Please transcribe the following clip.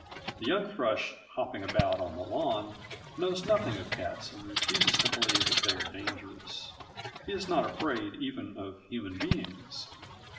The young thrush hopping about on the lawn knows nothing of cats and refuses to believe that they are dangerous. He is not afraid even of human beings.